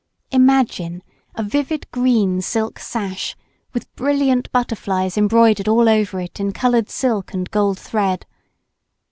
Imagine a vivid green silk sash, with brilliant butterflies embroidered all over it in coloured silk and gold thread.